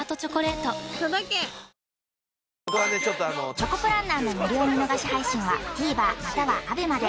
『チョコプランナー』の無料見逃し配信は ＴＶｅｒ または ＡＢＥＭＡ で